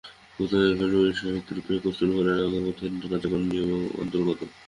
সুতরাং এই কারণগুলির সংহতি-রূপ গেলাস নামক যৌগিক পদার্থটি কার্যকারণ-নিয়মের অন্তর্গত।